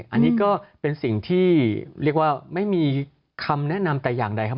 อันนี้ก็เป็นสิ่งที่เรียกว่าไม่มีคำแนะนำแต่อย่างใดครับ